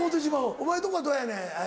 お前のとこはどうやねん？